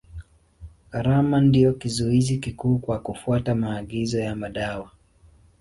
Gharama ndio kizuizi kikuu kwa kufuata maagizo ya madawa.